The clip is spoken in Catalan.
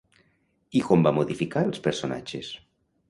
I com va modificar els personatges?